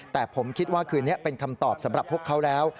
แต่ผมคิดว่าคืนนี้เป็นคำตอบสำหรับพวกเขาแล้ว